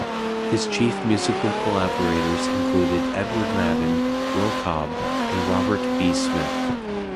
His chief musical collaborators included Edward Madden, Will Cobb, and Robert B. Smith.